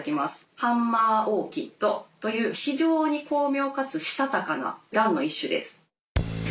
ハンマーオーキッドという非常に巧妙かつしたたかなランの一種です。